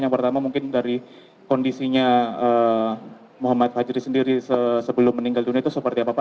yang pertama mungkin dari kondisinya muhammad fajri sendiri sebelum meninggal dunia itu seperti apa pak